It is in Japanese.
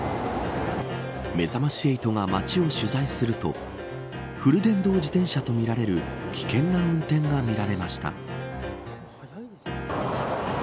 めざまし８が街を取材するとフル電動自転車とみられる危険な運転が見られました。